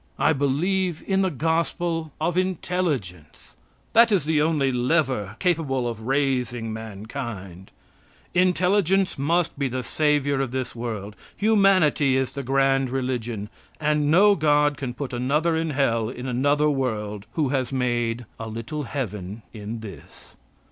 I believe in the gospel of intelligence. That is the only lever capable of raising mankind. Intelligence must be the savior of this world. Humanity is the grand religion, and no God can put another in hell in another world who has made a little heaven in this.